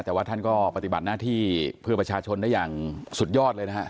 แต่ว่าท่านก็ปฏิบัติหน้าที่เพื่อประชาชนได้อย่างสุดยอดเลยนะฮะ